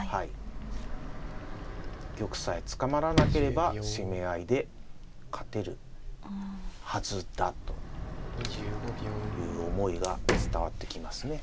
玉さえ捕まらなければ攻め合いで勝てるはずだという思いが伝わってきますね。